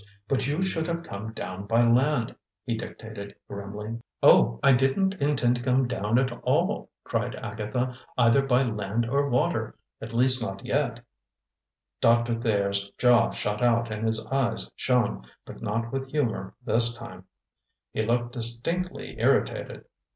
But you should have come down by land!" he dictated grimly. "Oh, I didn't intend to come down at all," cried Agatha; "either by land or water! At least not yet!" Doctor Thayer's jaw shot out and his eyes shone, but not with humor this time. He looked distinctly irritated.